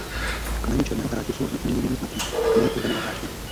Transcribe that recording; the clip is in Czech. Kameny černého hráče jsou označeny jinými znaky než kameny červeného hráče.